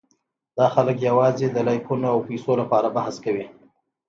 دا خلک یواځې د لایکونو او پېسو لپاره بحث کوي.